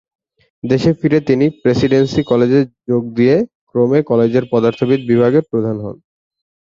দেশে ফিরে তিনি প্রেসিডেন্সি কলেজে যোগ দিয়ে ক্রমে কলেজের পদার্থবিদ বিভাগের প্রধান হন।